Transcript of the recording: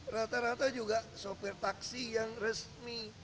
rata rata juga sopir taksi yang resmi